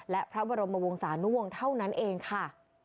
และพระบรมวงศานุวงศ์เท่านั้นเองค่ะ